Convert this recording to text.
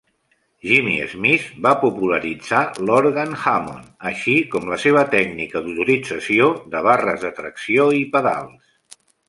Jimmy Smith va popularitzar l'òrgan Hammond, així com la seva tècnica d'utilització de barres de tracció i pedals.